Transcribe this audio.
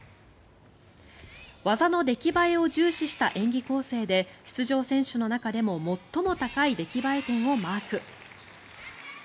技の出来栄えを重視した演技構成で出場選手の中でも最も高い出来栄え点をマーク。